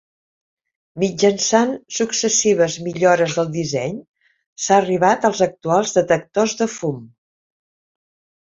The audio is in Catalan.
Mitjançant successives millores del disseny, s'ha arribat als actuals detectors de fum.